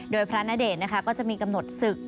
โดยพระณเดชน์นะคะก็จะมีกำหนดศึก